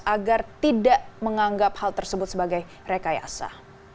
agar tidak menganggap hal tersebut sebagai rekayasa